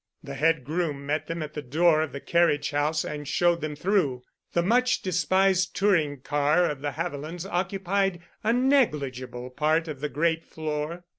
The head groom met them at the door of the carriage house and showed them through. The much despised touring car of the Havilands occupied a negligible part of the great floor.